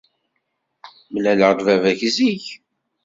Mlaleɣ-d baba-k zik.